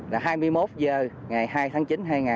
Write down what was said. là hai mươi một h ngày hai tháng chín hai nghìn một mươi chín